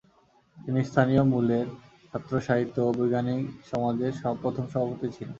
তিনি স্থানীয় মূলের ছাত্র সাহিত্য ও বৈজ্ঞানিক সমাজের প্রথম সভাপতি ছিলেন।